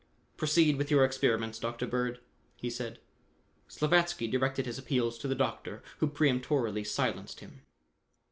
"Proceed with your experiments, Dr. Bird," he said. Slavatsky directed his appeals to the doctor, who peremptorily silenced him.